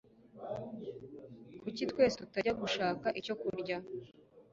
Kuki twese tutajya gushaka icyo kurya?